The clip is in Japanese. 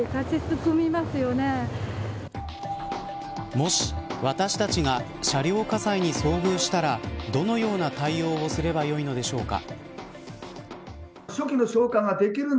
もし、私たちが車両火災に遭遇したらどのような対応をすればよいのでしょうか。